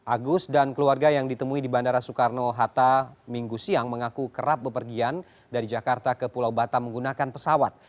agus dan keluarga yang ditemui di bandara soekarno hatta minggu siang mengaku kerap bepergian dari jakarta ke pulau batam menggunakan pesawat